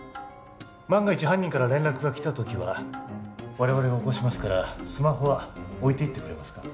万が一犯人から連絡がきた時は我々が起こしますからスマホは置いていってくれますか？